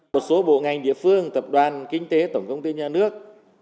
một số bộ ngành địa phương tập đoàn kinh tế tổng công ty nhà nước